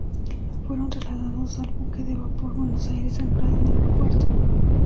Fueron trasladados al buque de vapor "Buenos Aires", anclado en el puerto.